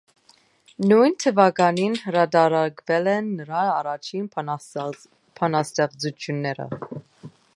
Նույն թվականին հրատարակվել են նրա առաջին բանաստեղծությունները։